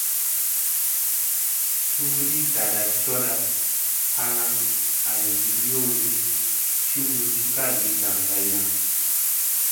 Suu li tlada coda halaŋ aygi yoosi cugusi kalfi daŋgayna.